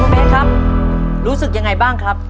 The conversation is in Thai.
ครูเบสครับรู้สึกยังไงบ้างครับ